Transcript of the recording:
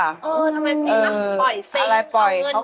เออทำไมไม่ซิงค์ล่ะปล่อยซิงค์ของมึง